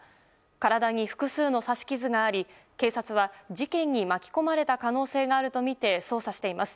体に複数の刺し傷があり警察は、事件に巻き込まれた可能性があるとみて捜査しています。